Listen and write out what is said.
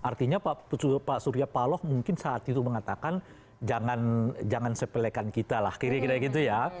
artinya pak surya paloh mungkin saat itu mengatakan jangan sepelekan kita lah kira kira gitu ya